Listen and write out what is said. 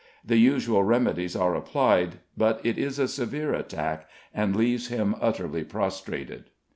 The usual remedies are applied, but it is a severe attack, and leaves him utterly prostrated.